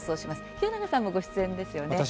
清永さんもご出演ですよね。